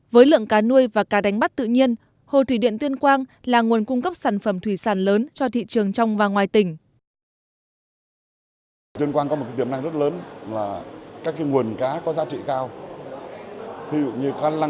với lượng cá nuôi và cá đánh bắt tự nhiên hồ thủy điện tuyên quang là nguồn cung cấp sản phẩm thủy sản lớn cho thị trường trong và ngoài tỉnh